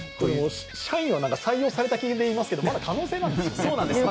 社員は採用された気でいますが、まだ可能性ですよね？